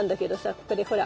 ここでほら。